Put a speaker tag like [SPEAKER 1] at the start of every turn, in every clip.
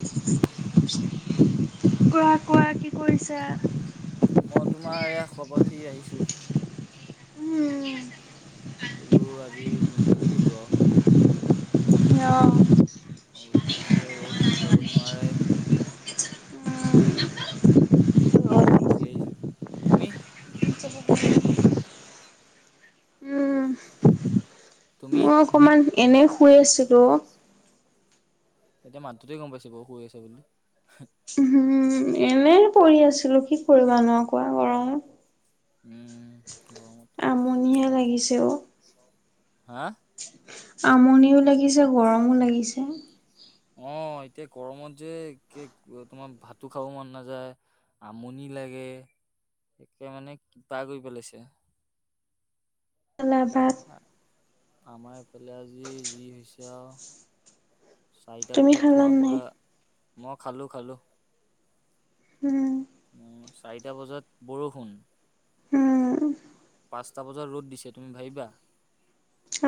[SPEAKER 1] কোৱা, কোৱা কি কৰিছা?
[SPEAKER 2] মই তোমাৰ এয়া শুৱাপা উঠি আহিছোঁ।
[SPEAKER 1] উম।
[SPEAKER 2] শুলো আজি দিনডালে শুলো আৰু।
[SPEAKER 1] অ'।
[SPEAKER 2] অ', যিহে ৰ'দ ওলাবটো নোৱাৰেই। তেনেকে উঠি আহিছোঁ, তুমি?
[SPEAKER 1] [inaudible] উম
[SPEAKER 2] তুমি?
[SPEAKER 1] মই অকমান এনে শুই আছিলোঁ অ'।
[SPEAKER 2] এতিয়া মাতটোতে গম পাইছোঁ বাৰু শুই আছা বুলি।
[SPEAKER 1] উহুম, এনে পৰি আছিলোঁ কি কৰিবা নো আৰু কোৱা গৰমত।
[SPEAKER 2] উম, গৰমত [unintelligible]
[SPEAKER 1] আমনিহে লাগিছে অ
[SPEAKER 2] নোৱাৰ হা'!
[SPEAKER 1] আমনিও লাগিছে, গৰমো লাগিছে।
[SPEAKER 2] অ', এতিয়া গৰমত যে একে তোমাৰ ভাতো খাব মন নাযায়। আমনি লাগে একে মানে কিবা কৰি পেলাইছে।
[SPEAKER 1] খালা ভাত?
[SPEAKER 2] আমাৰ ইফালে আজি যি হৈছে আৰু! চাৰিটা
[SPEAKER 1] তুমি
[SPEAKER 2] বজাত
[SPEAKER 1] খালা
[SPEAKER 2] তোমাৰ
[SPEAKER 1] নাই?
[SPEAKER 2] পুৰা, মই খালোঁ, খালোঁ।
[SPEAKER 1] উম।
[SPEAKER 2] চাৰিটা বজাত বৰষুণ।
[SPEAKER 1] উম।
[SPEAKER 2] পাঁচটা বজাত ৰ'দ দিছে তুমি ভাবিবা!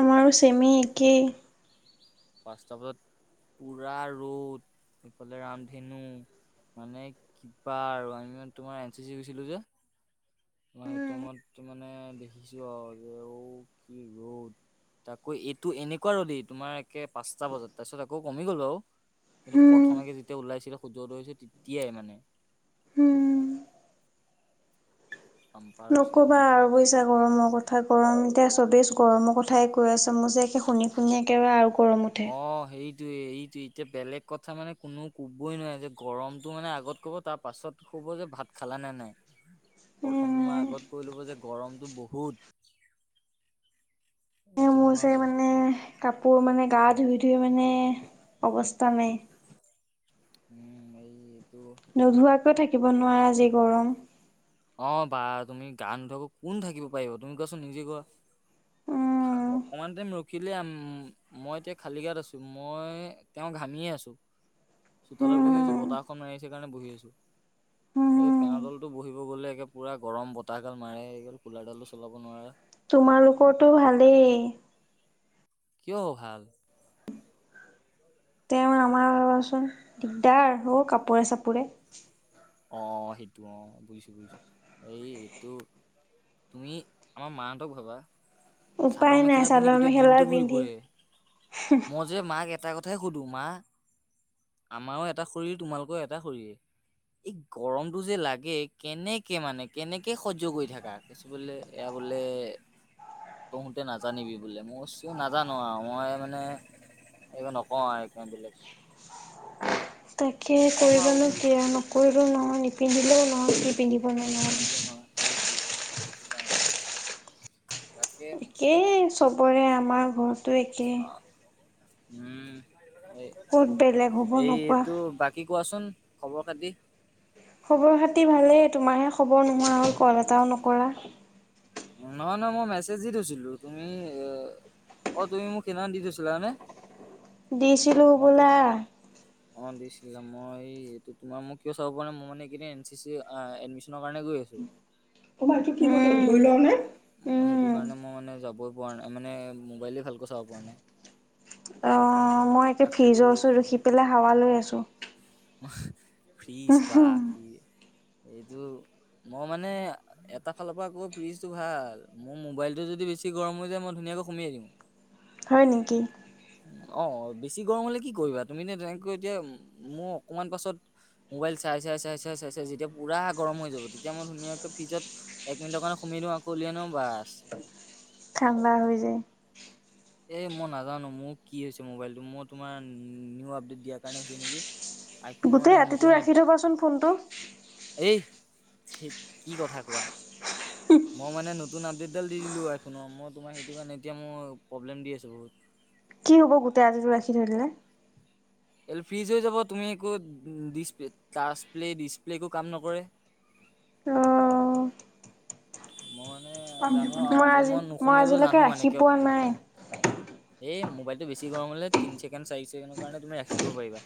[SPEAKER 1] আমাৰো চেমে একে।
[SPEAKER 2] পাঁচটা বজত পুৰা ৰ'দ ইফালে ৰামধেনু মানে কিবা আৰু আমি মানে তোমাৰ এন চি চি [unintelligible] যে মই সেইটো
[SPEAKER 1] উম
[SPEAKER 2] টাইমত মানে দেখিছোঁ আৰু যে ঔ কি ৰ'দ। তাকো এইটো এনেকুৱা ৰ'দেই তোমাৰ একে পাঁচটা বজাত, তাৰপিছত আকৌ কমি গ'ল বাৰু। কিন্তু
[SPEAKER 1] উম
[SPEAKER 2] প্ৰথমেকে যেতিয়া ওলাইছিলে সূৰ্য্য উদয় হৈছিল তেতিয়াই মানে।
[SPEAKER 1] উম
[SPEAKER 2] বাম্পাৰ হৈছে
[SPEAKER 1] নক'বা আৰু বুইছা গৰমৰ কথা, গৰম এতিয়া চবেই গৰমৰ কথাই কৈ আছোঁ। মোৰ যে একে শুনি-শুনি একেবাৰে আৰু গৰম উঠে।
[SPEAKER 2] অহ, এই এইটো এতিয়া বেলেগ কথা মানে কোনোও ক'বই নোৱাৰে যে গৰমতটো মানে আগত ক'ব তাৰপাছত ক'ব যে ভাত খালা নে নাই। প্ৰথমটো মই
[SPEAKER 1] উম
[SPEAKER 2] আগত কৈ ল'ব যে গৰমটো বহুত। এইটো
[SPEAKER 1] মোৰ
[SPEAKER 2] তোমাৰ
[SPEAKER 1] চাই
[SPEAKER 2] বহুত
[SPEAKER 1] মানে কাপোৰ মানে গা ধুই-ধুই মানে অৱস্থা নাই।
[SPEAKER 2] উম। এই এইটো
[SPEAKER 1] নোধোৱাকৈ থাকিব নোৱাৰা যি গৰম।
[SPEAKER 2] অহ, বা তুমি গা নুধোৱাকে কোন থাকিব পাৰিব, তুমি কোৱাচোন নিজে কোৱা। অকমান টাইম ৰ ৰখিলে মই এতিয়া খালী গাত আছোঁ। মই এতিয়াওঁ ঘামিয়ে আছোঁ। চোতালত বহি আছোঁ বতাহ এখন মাৰি আছিল কাৰণে বহি আছোঁ। এই ফেনৰ তলতো বহি-বহি গ'লে একে পুৰা গৰম বতাহ গাল মাৰে। গ'লে কুলাৰডালো চলাব নোৱাৰা।
[SPEAKER 1] তোমালোকৰটো ভালেই।
[SPEAKER 2] কিয় ভাল?
[SPEAKER 1] তেওঁ আমাৰ দিয়াচোন দিগদাৰ হ' কাপোৰে-চাপোৰে।
[SPEAKER 2] অহ, সেইটো অহ, বুজিছো-বুজিছো। এই এইটো তুমি, আমাৰ মাহঁতক ভাবা। চাদৰ
[SPEAKER 1] উপায় নাই
[SPEAKER 2] মেখেলা পিন্ধি
[SPEAKER 1] চাদৰ
[SPEAKER 2] গোটেই
[SPEAKER 1] মেখেলা
[SPEAKER 2] দিনতটো ঘূৰি
[SPEAKER 1] পিন্ধি
[SPEAKER 2] ফুৰে। মই যে মাক এটা কথাই সুধো। মা আমাৰো এটা শৰীৰ তোমালোকৰো এটা শৰীৰ। এই গৰমতটো যে লাগে, কেনেকে মানে কেনেকে সহ্য কৰি থাকা। থাকি বলে, এয়া বোলে তহোতে নাজানিবি বোলে, মই কৈছোঁ নাজানো আৰু মই মানে এইবোৰ নকওঁ আৰু এইকাৰণে বেলেগ।
[SPEAKER 1] তাকে
[SPEAKER 2] মই ভাবো
[SPEAKER 1] কৰিবনো কিয়া নকৰিলোঁ নহয়, নিপিন্ধিলেও নহয়। কি পিন্ধিবনো নহ'লে।
[SPEAKER 2] নিপিন্ধিলো নহয়, এইতোয়ে-এইতোয়ে এইতো কাৰণে তাকে
[SPEAKER 1] এই চবৰে, আমাৰ ঘৰটো একেই।
[SPEAKER 2] উম, এই
[SPEAKER 1] ক'ত বেলেগ হ'ব নোকোৱা।
[SPEAKER 2] এইটো বাকী কি কোৱাচোন খবৰ খাতি?
[SPEAKER 1] খবৰ খাতি ভালেই। তোমাৰহে খবৰ নোহোৱা হ'ল কল এটাও নকৰা।
[SPEAKER 2] নহয়, নহয়। মই মেছেজ দি থৈছিলোঁ তুমি এ অহ, তুমি মোক সেইদিনাখন দি থৈছিলা হয় নে?
[SPEAKER 1] দিছিলোঁ বোলা।
[SPEAKER 2] অহ। অহ, দিছিলা। মই এইটো তোমাৰ মোক কিয় চাব পৰা নাই, মই মানে এই কেইদিন এন চি চি এডমিশ্যন কাৰণে গৈ আছোঁ। [inaudible]
[SPEAKER 1] তোমাৰটো কি, উম, ধুই ললা নে?
[SPEAKER 2] সেইটো কাৰণে মই মানে যাবই পৰা নাই, মানে মোবাইলে ভালকৈ চাব পৰা নাই।
[SPEAKER 1] অহ, মই একে
[SPEAKER 2] তাকো
[SPEAKER 1] ফ্ৰিজৰ ওচৰত ৰখি পেলাই হাৱা লৈ আছোঁ।
[SPEAKER 2] ফ্ৰিজ বা কি এইটো মই মানে এটা ফালৰ পৰা আকৌ ফ্ৰিজটো ভাল। মোৰ মোবাইলটো যদি বেছি গৰম হৈ যায় মই ধুনীয়াকৈ সোমেই দিওঁ। [inaudible]
[SPEAKER 1] হয় নেকি?
[SPEAKER 2] অহ, বেছি গৰম হ'লে কি কৰিবা। তুমি এ তেনেকৈ এতিয়া মোৰ অকমান পাছত মোবাইল চাই-চাই-চাই-চাই-চাই-চাই যেতিয়া পুৰা গৰম হৈ যাব, তেতিয়া মই ধুনীয়াকে ফ্ৰিজত এক মিনিটৰ কাৰে সোমেই দিওঁ আকৌ উলিয়াই আনো বাছ।
[SPEAKER 1] ঠাণ্ডা হৈ যায়।
[SPEAKER 2] এ মই নাজানোঁ মোৰ কি হৈছে মোবাইলটো। মই তোমাৰ নিউ আপডেট দিয়াৰ কাৰণে হৈছে নেকি। আইফোনৰ মানে
[SPEAKER 1] গোটেই
[SPEAKER 2] নতুন
[SPEAKER 1] ৰাতিটো ৰাখি থবাচোন ফোনটো।
[SPEAKER 2] এই, কি কথা কোৱা? মই মানে নতুন আপডেটডাল দি দিলোঁ আইফোনৰ। মই তোমাৰ সেইটো কাৰণে এতিয়া মোৰ প্ৰব্লেম দি আছে বহুত।
[SPEAKER 1] কি হ'ব গোটেই আজিো ৰাখি ধৰিলে।
[SPEAKER 2] ফ্ৰিজ হৈ যাব তুমি একো চ প্লে ডিছপ্লে একো কাম নকৰে।
[SPEAKER 1] অ'
[SPEAKER 2] মই মানে
[SPEAKER 1] পানী
[SPEAKER 2] জানো
[SPEAKER 1] অকণ
[SPEAKER 2] আৰু যে
[SPEAKER 1] আজি
[SPEAKER 2] মই নোসুমিয়ালো
[SPEAKER 1] আজিলৈকে
[SPEAKER 2] জানো
[SPEAKER 1] ৰাখি
[SPEAKER 2] মানে কিয়
[SPEAKER 1] পোৱা নাই
[SPEAKER 2] এই মোবাইলটো বেছিৰম হলে তি চছেকেড চি চছেকেণ্ডৰ কাৰণে তুমি ৰাখি দিব পাৰিবা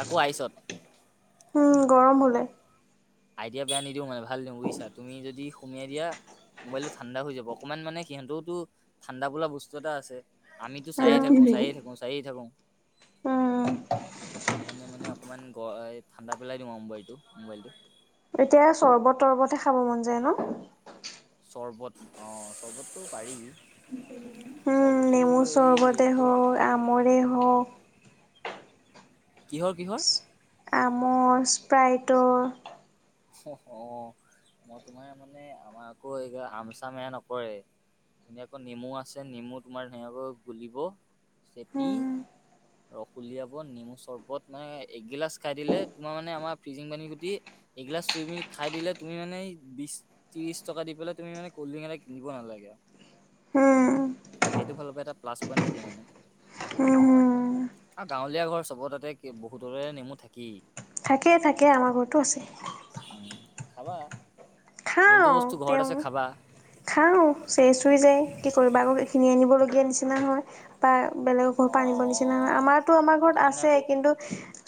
[SPEAKER 2] তাকো আইচত।
[SPEAKER 1] উম গৰম হ'লে?
[SPEAKER 2] আইডিয়া বেয়া নিদিও মানে ভাল দিওঁ বুজিছা তুমি যদি সুমাই দিয়া মোবাইলতটো ঠাণ্ডা হৈ যাব অকণমান মানে সিহঁতওতো ঠাণ্ডা বোা বস্তু এটা আছে। আমিতো চায়ে
[SPEAKER 1] এতিয়া কি
[SPEAKER 2] থাকো
[SPEAKER 1] নেমু?
[SPEAKER 2] চায়ে থাকো চায়ে থাকো।
[SPEAKER 1] উম
[SPEAKER 2] সেইকাৰণে মানে অকণমান গ ঠাণ্ডা পেলাই দিওঁ আৰু মোবাইলটো মোবাইল টো।
[SPEAKER 1] এতিয়া চৰ্বত তৰ্বতহে খাব মন যায় ন'।
[SPEAKER 2] চৰ্বত অ' চৰ্বততটো পাৰি।
[SPEAKER 1] উম
[SPEAKER 2] চবতো এই এইটো
[SPEAKER 1] মৰে হওক
[SPEAKER 2] কিহৰ কিহৰ
[SPEAKER 1] আম স্প্ৰাইটৰ
[SPEAKER 2] অ', অ' মই তোমাৰ মানে আমাৰ আকৌ এই হাম চাম এয়া নকৰে ধুনীয়াকৈ নেমু আছে নেমু তোমাৰ ধুনীয়াকৈ গুলিব চেপি
[SPEAKER 1] উম
[SPEAKER 2] ৰস উলিয়াব নেমু চৰ্বত মানে এগিলাচ খাই দিলে তোমাৰ মানে আমাৰ ফ্ৰিজিং পানী গুটি এইগিলাছ তুমি খাই দিলে তুমি মানে বি ত্ৰিশ টকা দি পেলাই তুমি মানে কল্ড ড্ৰিংক এটা কিনিব নালাগে।
[SPEAKER 1] উম
[SPEAKER 2] সেইটো ফালৰ পৰা এটা্লাছ পইণ্টাকে মানে।
[SPEAKER 1] উম উম
[SPEAKER 2] আৰু গাঁৱলীয়া ঘৰ চ'ব তাতে বহুতৰে নেমু থাকি।
[SPEAKER 1] থাকেই থাকে আমাৰ ঘৰতো আছে।
[SPEAKER 2] উম, খাবা যোনটোু
[SPEAKER 1] খাওঁ
[SPEAKER 2] বস্তু ঘৰত আছে
[SPEAKER 1] তেওঁ
[SPEAKER 2] খাবা।
[SPEAKER 1] খাওঁ চে চুই যায় কি কৰিবা আকৌ এইখিনি আনিবলগীয়া নিচিনা হয়। বা বেলেগৰ ঘৰ পৰা
[SPEAKER 2] অ',
[SPEAKER 1] আনিব
[SPEAKER 2] অ', অ',
[SPEAKER 1] নিচিনা
[SPEAKER 2] অ',
[SPEAKER 1] আমাৰতো আমাৰ
[SPEAKER 2] এইটো
[SPEAKER 1] ঘৰত
[SPEAKER 2] মানে আকৌ
[SPEAKER 1] আছেই কিন্তু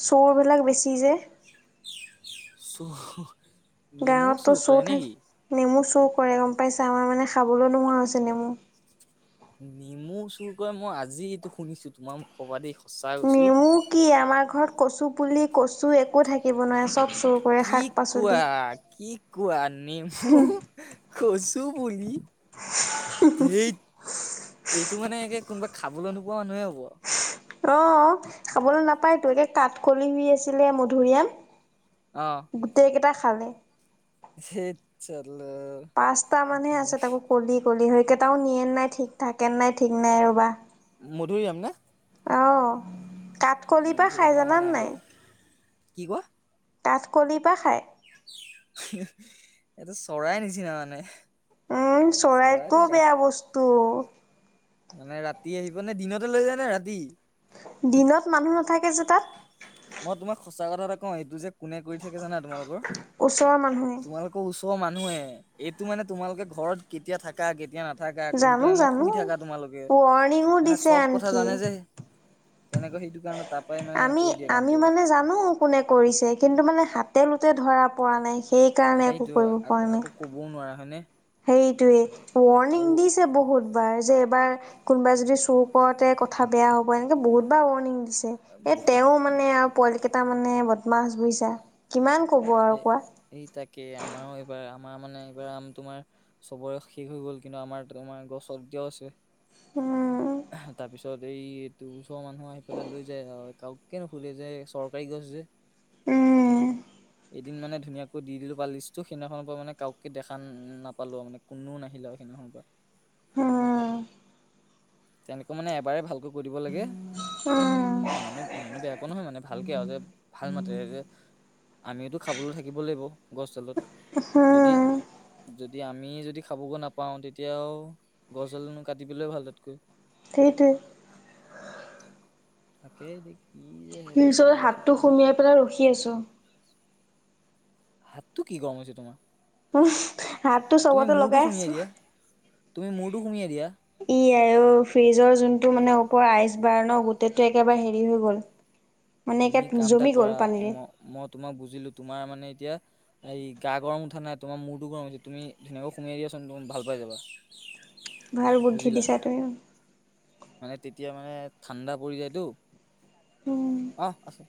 [SPEAKER 1] চৰবিলাক বেছি যে।
[SPEAKER 2] চুৰ নেমু
[SPEAKER 1] গাঁৱততো
[SPEAKER 2] চুৰ
[SPEAKER 1] চোৰ
[SPEAKER 2] কৰে
[SPEAKER 1] থাক
[SPEAKER 2] নেকি?
[SPEAKER 1] নেমু চুৰ কৰে গম পাইছে আমাৰ মানে খাবলৈও নোহোৱা হৈছে নেমু।
[SPEAKER 2] নেমু চুৰ কৰে মই আজি এইটো শুনিছো তোমাৰ মুখৰ পৰা দে সঁচাই কৈছো।
[SPEAKER 1] নেমু কি আমাৰ ঘৰত কচু পুলি কচু একো থাকিব নোৱাৰে চব চুৰ কৰে
[SPEAKER 2] কি
[SPEAKER 1] শাক
[SPEAKER 2] কোৱা
[SPEAKER 1] পাচলি।
[SPEAKER 2] কি কোৱা নেমু কচু বুলি ধেত এইটো মানে একে কোনোবা খাবলৈ নোপোৱা মানুহে হ'ব।
[SPEAKER 1] অ' খাবলৈ নাপায় তো একে কাঠ কলি হৈ আছিলে মধুৰিআম
[SPEAKER 2] অ'
[SPEAKER 1] গোটেইকেইটা খালে।
[SPEAKER 2] ধেত চলা।
[SPEAKER 1] পাঁচটা মানহে আছে তাকো কলি কলি হেই কেইটাও নিয়ে নাই ঠিক থাকেন নাই ঠিক নাই ৰবা।
[SPEAKER 2] মধুৰআম নে?
[SPEAKER 1] অ' কাঠ কলিৰ পৰা
[SPEAKER 2] মধুৰিআম
[SPEAKER 1] খাই
[SPEAKER 2] আমাৰ
[SPEAKER 1] জানানে নাই।
[SPEAKER 2] বাৰু। কি কোৱা?
[SPEAKER 1] কাঁঠকলিৰ পৰা খায়।
[SPEAKER 2] এইটো চৰাই নিচিনা মানে।
[SPEAKER 1] উম,
[SPEAKER 2] চৰাইটো
[SPEAKER 1] চৰাইটোও
[SPEAKER 2] গাত
[SPEAKER 1] বেয়া বস্তু।
[SPEAKER 2] মানে ৰাতি আহিব নে দিনতে লৈ যায় নে ৰাতি?
[SPEAKER 1] দিনত মানুহ নাথাকে যে তাত।
[SPEAKER 2] মই তোমাক সঁচা কথা এটা কওঁ এইটো যে কোনে কৰি থাকে জানা তোমালোকৰ
[SPEAKER 1] ওচৰৰ মানুহে,
[SPEAKER 2] তোমালোক আকৌ ওচৰৰ মানুহে এইটো মানে তোমালোকে ঘৰত কেতিয়া থাকা কেতিয়া নাথাকা কোন
[SPEAKER 1] জানো
[SPEAKER 2] টাইমত
[SPEAKER 1] জানো।
[SPEAKER 2] শুই থাকা তোমালোকে
[SPEAKER 1] ৱৰ্ণিঙো
[SPEAKER 2] মানে
[SPEAKER 1] দিছে
[SPEAKER 2] চব কথা
[SPEAKER 1] আনকি।
[SPEAKER 2] জানে যে তেনেকৈ সেইটো কাৰণে তাৰ পৰাই মানে
[SPEAKER 1] আমি
[SPEAKER 2] কৰি দিয়ে
[SPEAKER 1] আমি
[SPEAKER 2] কামটো
[SPEAKER 1] মানে জানো কোনে কৰিছে কিন্তু মানে হাতে লোতে ধৰা পৰা নাই সেইকাৰণে একো
[SPEAKER 2] সেইটো
[SPEAKER 1] কৰিব
[SPEAKER 2] আকৌ
[SPEAKER 1] পৰা নাই
[SPEAKER 2] আকৌ ক'বও নোৱাৰা হয়নে
[SPEAKER 1] হেইটোৱে ৱাৰ্ণিং
[SPEAKER 2] আৰু
[SPEAKER 1] দিছে বহুতবাৰ যে এবাৰ কোনোবাই যদি চুৰ কৰতে কথা বেয়া হ'ব এনেকে বহুত বাৰ ৱাৰ্ণিং দিছে এ
[SPEAKER 2] বহুত
[SPEAKER 1] তেওঁ মানে আৰু পোৱালিকেইটা মানে বদমাছ বুজিছা কিমান কব আৰু কোৱা
[SPEAKER 2] এই তাকেই আমাৰ এইবাৰ আমাৰ মানে এইবাৰ আম তোমাৰ চবৰে শেষ হৈ গ'ল কিন্তু আমাৰ তোমাৰ গছত এতিয়াও
[SPEAKER 1] উম
[SPEAKER 2] আছে তাৰপিছত এই এইটো ওচৰৰ মানুহ আহি পেলাই লৈ যায় আৰু কাওকে নুশুধে যে চৰকাৰী গছ যে
[SPEAKER 1] উম
[SPEAKER 2] এদিন মানে ধুনীয়াকৈ দি দিলো পালিষ্টটো সেইদিনাখনৰ পৰা মানে কউকে দেখা নাপালো আৰু মানে কোনো নাহিলে সেইদিনাখনৰ পৰা
[SPEAKER 1] হম
[SPEAKER 2] তেনেকৈ মানে এবাৰে ভালকৈ কৈ দিব লাগে
[SPEAKER 1] উম
[SPEAKER 2] ইমানো ইমানো বেয়াকৈ নহয় মানে ভালকে আৰু যে ভাল মাতে যে আমিওতু খাবলৈ থাকিব লাগিব গছডালত
[SPEAKER 1] উহম
[SPEAKER 2] যদি যদি আমিয়ে যদি খাব গে নাপাওঁ তেতিয়াও গছডালনো কাটি পেলোৱা ভাল তাতকৈ
[SPEAKER 1] সেইটোৱে
[SPEAKER 2] তাকে কি যে হ'ব
[SPEAKER 1] নিজৰ
[SPEAKER 2] হ'ব ঠিক
[SPEAKER 1] হাতটো
[SPEAKER 2] নাই
[SPEAKER 1] সুমিয়াই পেলাই ৰখি আছো
[SPEAKER 2] হাতটো কি গৰম হৈছে তোমাৰ
[SPEAKER 1] উম হাতটো
[SPEAKER 2] তুমি
[SPEAKER 1] চবতে
[SPEAKER 2] মূৰটো
[SPEAKER 1] লগাই আছো।
[SPEAKER 2] সুমিয়াই দিয়া তুমি মূৰটো সুমিয়াই দিয়া
[SPEAKER 1] ই আৰু ফ্ৰিজৰ যোনটো মানে ওপৰ আইচ বাৰ্ৰ গোটেইটো একেবাৰে হেৰি হৈ গ'ল মানে একে
[SPEAKER 2] তুমি কাম এটা
[SPEAKER 1] জমি গ'ল
[SPEAKER 2] কৰা
[SPEAKER 1] পানীৰে।
[SPEAKER 2] ম মই তোমাক বুজিলো তোমাৰ মানে এতিয়া এই গা গৰম উঠা নাই তোমাৰ মৰটো গৰম হৈ হৈছে তুমি ধুনীয়াকৈ সোমাই দিয়াচোন তুমি ভাল পাই যাবা
[SPEAKER 1] ভাল বুদ্ধি
[SPEAKER 2] বুজিলা
[SPEAKER 1] দিছা তুমি মোক
[SPEAKER 2] মানে তেতিয়া মানে ঠাণ্ডা পৰি যায়তো
[SPEAKER 1] উম
[SPEAKER 2] অ আছে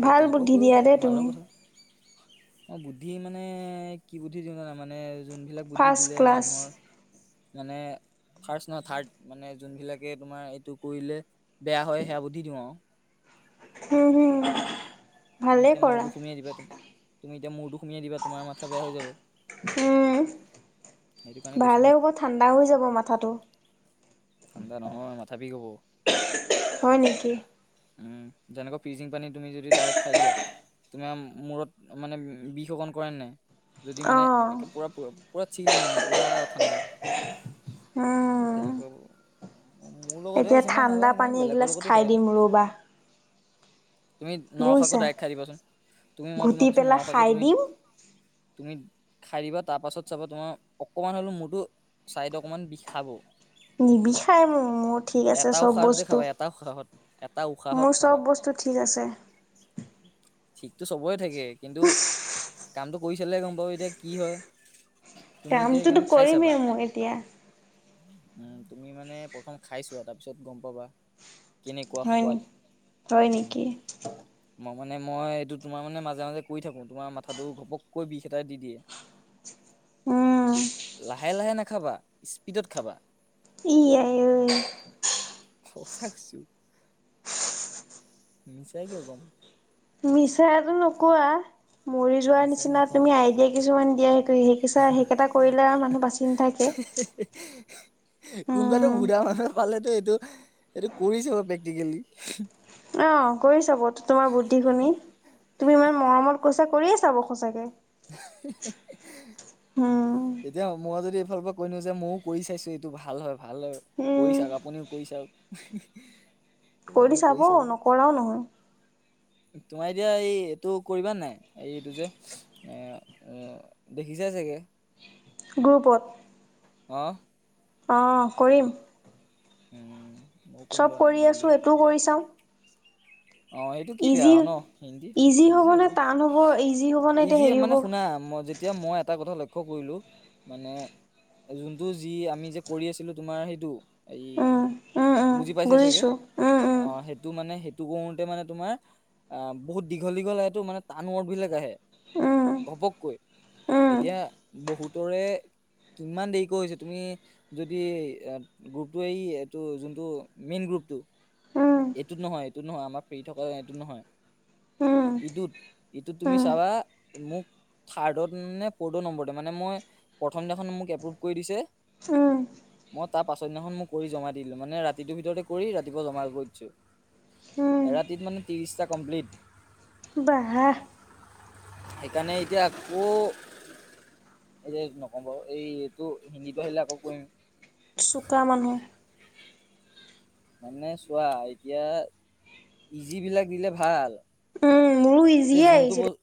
[SPEAKER 2] সেই
[SPEAKER 1] ভাল
[SPEAKER 2] তেনেকুৱাও
[SPEAKER 1] বুদ্ধি
[SPEAKER 2] কৰিব
[SPEAKER 1] দিয়া
[SPEAKER 2] পৰা
[SPEAKER 1] দেই
[SPEAKER 2] তোমাৰ
[SPEAKER 1] তুমি
[SPEAKER 2] লগত কথা। অ বুদ্ধি মানে কি বুদ্ধি দিওঁ জানা মানে যোনবিলাক বুদ্ধি
[SPEAKER 1] ফাৰ্ষ্ট
[SPEAKER 2] দিলে
[SPEAKER 1] ক্লাছ
[SPEAKER 2] মানুহৰ মানে ফাৰ্ষ্ট না থাৰ্ড মানে যোনবিলাকে তোমাৰ এইটো কৰিলে বেয়া হয় সেয়া বুধি দিওঁ আৰু
[SPEAKER 1] উম হুম
[SPEAKER 2] তুমি
[SPEAKER 1] ভালেই
[SPEAKER 2] এতিয়া
[SPEAKER 1] কৰা
[SPEAKER 2] মূৰটো সমিয়াই দিবা ত-তুমি এতিয়া মূৰটো সমিয়াই দিবা তোমাৰ মাথা বেয়া হৈ যাব।
[SPEAKER 1] উম
[SPEAKER 2] সেইটো কাৰণে কৈছো ন
[SPEAKER 1] ভালে হ'ব ঠাণ্ডা হৈ যাব মাথাটো।
[SPEAKER 2] ঠাণ্ডা নহয় মাথাবিহ হব।
[SPEAKER 1] হয় নেকি
[SPEAKER 2] উম যেনেকুৱা পিজিং পানীত। - তুমি যদি ডাইৰেক্ট খাই দিয়া তুমি মূৰত মানে বি অকন কৰে নে নাই? যদি মানে
[SPEAKER 1] অঁ
[SPEAKER 2] একে পোৰা পৰাব- পুৰা চিল মানে পুৰা ঠাণ্ডা
[SPEAKER 1] উম
[SPEAKER 2] তেনেকুৱা মোৰ লগতহে
[SPEAKER 1] এতিয়া
[SPEAKER 2] হৈছে নে
[SPEAKER 1] ঠাণ্ডা
[SPEAKER 2] নাজানো
[SPEAKER 1] পানী
[SPEAKER 2] বেলেগৰ
[SPEAKER 1] এগিলাচ
[SPEAKER 2] লগতো
[SPEAKER 1] খাই
[SPEAKER 2] হয়
[SPEAKER 1] দিম ৰ'বা
[SPEAKER 2] তুমি নৰসাকো
[SPEAKER 1] বুজিছা
[SPEAKER 2] আখ্যা দিবাচোন তুমি মই তোমাক
[SPEAKER 1] ঘুটি
[SPEAKER 2] কৈছো
[SPEAKER 1] পেলাই
[SPEAKER 2] নৰসাকো
[SPEAKER 1] খাই
[SPEAKER 2] তুমি।
[SPEAKER 1] দিম
[SPEAKER 2] - তুমি খাই দিবা তাৰ পাছত চাবা তোমাৰ অকণমান হ'লো মূৰটো চাইদ অকণমান বিষাব।
[SPEAKER 1] নিবিষাই মোৰ মোৰ ঠিক আছে
[SPEAKER 2] এটা
[SPEAKER 1] চব
[SPEAKER 2] উশাহতে
[SPEAKER 1] বস্তু
[SPEAKER 2] খাবা এটা উশাহত এটা উশাহত
[SPEAKER 1] মোৰ
[SPEAKER 2] খাবা
[SPEAKER 1] চব বস্তু। - তো ঠিক আছে
[SPEAKER 2] ঠিকতো চবৰে থাকে কিন্তু কামটো কৰি চালেহে গম পাবি তই কি হয় তুমি এতিয়া
[SPEAKER 1] কামটোতো
[SPEAKER 2] সেইকাৰণে খাই
[SPEAKER 1] কৰিমেই
[SPEAKER 2] চাবা।
[SPEAKER 1] মোৰ এতিয়া
[SPEAKER 2] উম, তুমি মানে প্ৰথম খাই ছোৱা তাৰ পিছত গম পাবা। কেনেকুৱা
[SPEAKER 1] হয়
[SPEAKER 2] সোৱাদ!
[SPEAKER 1] হয় নেকি
[SPEAKER 2] উম। মই মানে মই এইটো তোমাৰ মানে মাজে মাজে কৰি থাকো তোমাৰ মাথাটো ঘপককৈ বিষ এটাই দি দিয়ে। [unintelligible]
[SPEAKER 1] উম।
[SPEAKER 2] লাহে লাহে নাখাবা, স্পিদত খাবা।
[SPEAKER 1] কি আই অই
[SPEAKER 2] সঁচা কৈছো। মিচাকে কিয় কম।
[SPEAKER 1] মিছাটো নোকোৱা মৰি যোৱাৰ
[SPEAKER 2] মিছাই
[SPEAKER 1] নিচিনা
[SPEAKER 2] নকওঁ
[SPEAKER 1] তুমি আইডিয়া কিছুমান দিয়া শিকাইছা সেইকেইটা কৰিলে আৰু মানুহ বাচি নাথাকে।
[SPEAKER 2] [unintelligible] কোনোবাটো
[SPEAKER 1] উম
[SPEAKER 2] ভোদা মানুহে পালেটো এইটো এইটো কৰি চাব প্ৰেক্টিকেলি।
[SPEAKER 1] অ, কৰি চাব তো তোমাৰ বুদ্ধি শুনি। তুমি ইমান মৰমত কৈছা কৰিয়ে চাব সচাকে।
[SPEAKER 2] [unintelligible]
[SPEAKER 1] উম।
[SPEAKER 2] মই যদি এইফালৰ পৰা কৈ দিওঁ যে মইও কৰি চাইছো এইটো ভাল হয়, ভাল হয় কৰি
[SPEAKER 1] উম।
[SPEAKER 2] চাওক আপুনিও কৰি চাওক। [unintelligible]
[SPEAKER 1] কৰি চাব নকৰাও নহয়।
[SPEAKER 2] তোমাৰ এতিয়া এই এইটো কৰিবা নাই এই এইটো যে এ অ দেখিছাই চাগে?
[SPEAKER 1] গ্ৰুপত?
[SPEAKER 2] অ।
[SPEAKER 1] অ, কৰিম।
[SPEAKER 2] উম। ময়ো কৰিম
[SPEAKER 1] চব
[SPEAKER 2] বাৰু নাম
[SPEAKER 1] কৰি
[SPEAKER 2] দিলো
[SPEAKER 1] আছো এইটোও কৰি চাওঁ।
[SPEAKER 2] [unintelligible] অ এইটো কি বেয়া
[SPEAKER 1] ইজি
[SPEAKER 2] ন হিন্দী ইজি হ'ব
[SPEAKER 1] নে টান ইজি হ'ব নে এতিয়া
[SPEAKER 2] ইজিয়ে
[SPEAKER 1] হেৰি হ'ব
[SPEAKER 2] মানে শুনা মই য এতিয়া মই এটা কথা লক্ষ্য কৰিলো মানে যোনটো যি আমি যে কৰি আছিলো তোমাৰ সেইটো এই
[SPEAKER 1] উম উম উম
[SPEAKER 2] বুজি পাইছাই চাগে?
[SPEAKER 1] বুজিছোঁ উম
[SPEAKER 2] অ,
[SPEAKER 1] উম
[SPEAKER 2] সেইটো মানে সে ইটো কৰোতে মানে তোমাৰ আহ বহুত দীঘল দীঘল সেটো মানে টান ৱৰ্ডবিলাক আহে। ঘপককৈ,
[SPEAKER 1] উম উম।
[SPEAKER 2] এতিয়া বহুতৰে কিমান দেৰিকৈ হৈছে তুমি যদি এই গ্ৰুপটো এই এইটো যোনটো মেইন গ্ৰুপটো
[SPEAKER 1] উম,
[SPEAKER 2] এইটোত নহয়, এইটোত নহয় আমাৰ ফ্ৰী থকা এইটোত নহয়। ইটোত। ইটোত তুমি চাবা মোক থাৰ্ডত নে ফৰ্থত নম্বৰতে মানে মই প্ৰথমদিনাখন মোক এপপ্ৰোভ কৰি দিছে মই তাৰ পাছৰদিনাখন মই কৰি জমা দিলো, মানে ৰাতিটোৰ ভিতৰতে কৰি ৰাতিপুৱা জমা কৰি দিছো। এৰাতিত মানে ত্ৰিশটা কমপ্লিট।
[SPEAKER 1] ৱাহ!
[SPEAKER 2] সেইকাৰণে এতিয়া আকৌ এতিয়া নকৰো বাৰু এইটো হিন্দীটো আহিলে আকৌ কৰিম।
[SPEAKER 1] চোকা মানুহ।
[SPEAKER 2] মানে চোৱা এতিয়া ইজিবিলাক দিলে ভাল।
[SPEAKER 1] উম মোৰো
[SPEAKER 2] এতিয়া
[SPEAKER 1] ইজিয়ে
[SPEAKER 2] যোনটো
[SPEAKER 1] আহিছিল
[SPEAKER 2] বস্তু